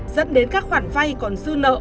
dẫn đến các khoản vay còn dư nợ